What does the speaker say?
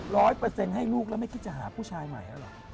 ร้อยเปอร์เซ็นต์ให้ลูกแล้วไม่คิดจะหาผู้ชายใหม่แล้วเหรอ